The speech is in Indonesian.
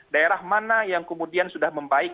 daerah mana yang kemudian sudah membaik